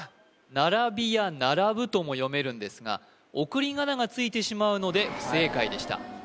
ならびやならぶとも読めるんですが送り仮名がついてしまうので不正解でした